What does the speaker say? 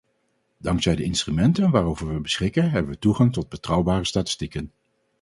Dankzij de instrumenten waarover we beschikken hebben we toegang tot betrouwbare statistieken.